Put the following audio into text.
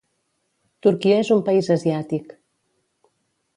Turquia és un país asiàtic.